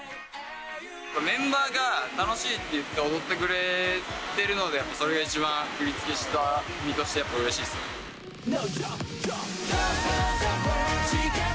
メンバーが楽しいって言って踊ってくれてるので、それが一番、振り付けした身として、やっぱうれしいですね。